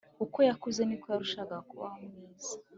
uko yakuze, niko yarushagaho kuba mwiza.